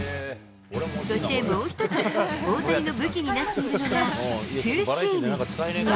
そしてもう一つ、大谷の武器になっているのが、ツーシーム。